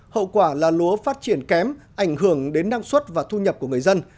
hậu quả là lúa phát triển kém ảnh hưởng đến năng suất và thu nhập của người dân